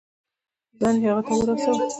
ځان يې هغه ته ورساوه.